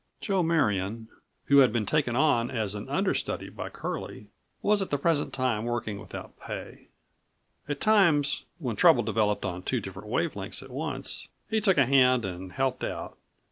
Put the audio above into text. Joe Marion, who had been taken on as an understudy by Curlie, was at the present time17 working without pay. At times when trouble developed on two different wave lengths at once, he took a hand and helped out.